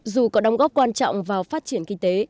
dù có đóng góp quan trọng vào phát triển kinh tế